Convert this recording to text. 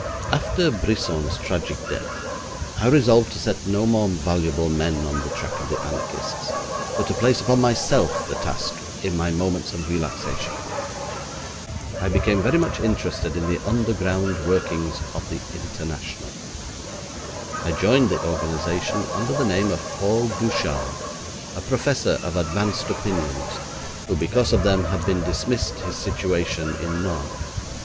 After Brisson's tragic death, I resolved to set no more valuable men on the track of the anarchists, but to place upon myself the task in my moments of relaxation. I became very much interested in the underground workings of the International. I joined the organisation under the name of Paul Ducharme, a professor of advanced opinions, who because of them had been dismissed his situation in Nantes.